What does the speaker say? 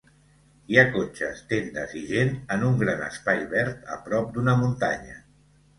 Hi ha cotxes, tendes i gent en un gran espai verd a prop d'una muntanya.